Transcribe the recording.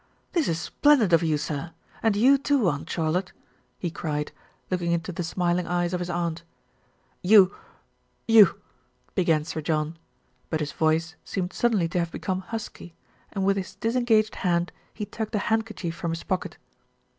"This is splendid of you, sir, and you, too, Aunt Charlotte," he cried, looking into the smiling eyes of his aunt. "You you " began Sir John; but his voice seemed suddenly to have become husky, and with his disengaged hand he tugged a handkerchief from his pocket.